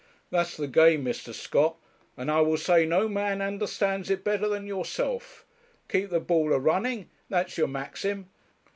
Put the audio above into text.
'That's the game, Mr. Scott; and I will say no man understands it better than yourself keep the ball a running that's your maxim.